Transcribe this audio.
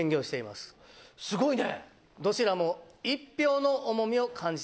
すごいね。